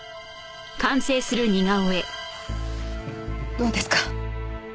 どうですか？